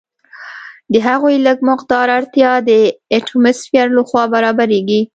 د هغوی لږ مقدار اړتیا د اټموسفیر لخوا برابریږي.